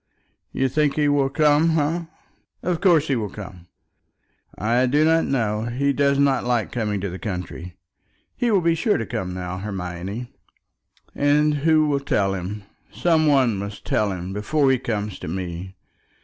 You think he will come, eh?" "Of course he will come." "I do not know. He does not like coming to the country." "He will be sure to come now, Hermione." "And who will tell him? Some one must tell him before he comes to me.